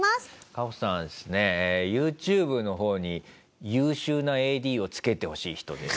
カホさんはですねＹｏｕＴｕｂｅの方に優秀なＡＤをつけてほしい人です。